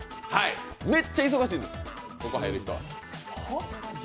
めっちゃ忙しいんです、ここ入る人は。